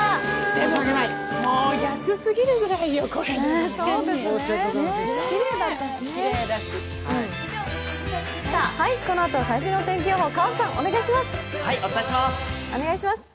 もう安すぎるぐらいよ、これでも。